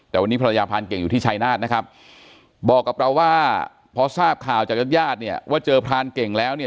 แต่วันนี้ภรรยาพรานเก่งอยู่ที่ชายนาฏนะครับบอกกับเราว่าพอทราบข่าวจากญาติญาติเนี่ยว่าเจอพรานเก่งแล้วเนี่ย